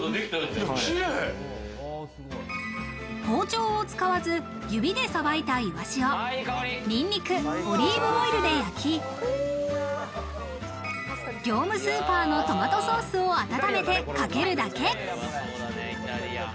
包丁を使わず、指でさばいたイワシをニンニク、オリーブオイルで焼き、業務スーパーのトマトソースを温めてかけるだけ。